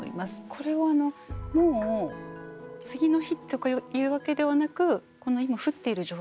これはもう次の日とかいうわけではなく今降っている状態？